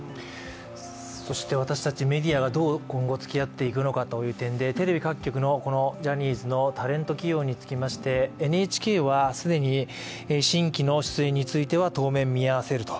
そして私たちメディアがどう今後つきあっていくのかという点でテレビ各局のジャニーズのタレント起用につきまして、ＮＨＫは既に新規の出演については当面見合わせると。